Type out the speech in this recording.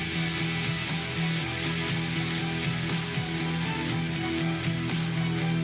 สวัสดีครับ